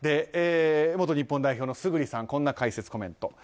元日本代表の村主さんこんな解説コメント。